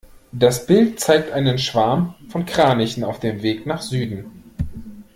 Das Bild zeigt einen Schwarm von Kranichen auf dem Weg nach Süden.